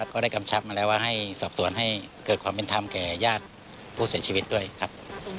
ก็ได้กำชับมาแล้วว่าให้สอบสวนให้เกิดความเป็นธรรมแก่ญาติผู้เสียชีวิตด้วยครับ